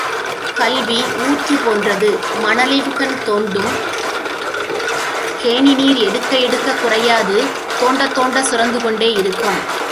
கல்வி ஊற்றுப் போன்றது மணலின்கண் தோண்டும் கேணிநீர் எடுக்க எடுக்கக் குறையாது தோண்டத் தோண்டச் சுரந்துகொண்டே இருக்கும்.